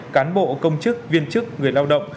cán bộ công chức viên chức người lao động